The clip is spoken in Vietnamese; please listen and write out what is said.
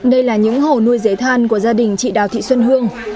đây là những hồ nuôi dế than của gia đình chị đào thị xuân hương